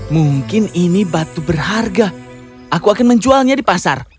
mungkin ini batu berharga aku akan menjualnya di pasar